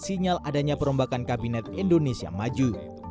sinyal adanya perombakan kabinet indonesia maju